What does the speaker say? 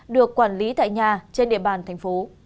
được quản lý tại nhà trên địa bàn thành phố